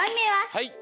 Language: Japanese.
はい。